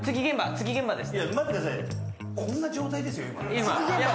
次現場です。